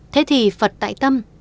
thế thì phật tại tâm